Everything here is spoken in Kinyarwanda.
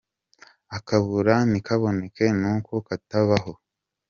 Akabura ntikaboneke nuko katabaho.